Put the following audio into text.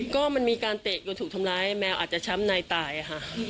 ก็มันมีการเตะจนถูกทำร้ายแมวอาจจะช้ำในตายค่ะ